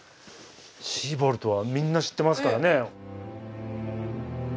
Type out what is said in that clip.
シーボルトはみんな知ってますからね。